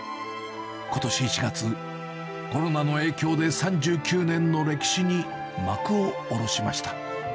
ことし１月、コロナの影響で、３９年の歴史に幕を下ろしました。